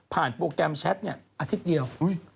ผ่านโปรแกรมแชทนี่อาทิตย์เดียว